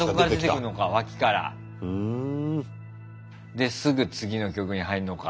ですぐ次の曲に入るのか。